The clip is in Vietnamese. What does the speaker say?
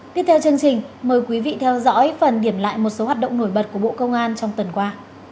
tiếp theo chương trình mời quý vị theo dõi phần điểm lại một số hoạt động nổi bật của bộ công an trong tuần qua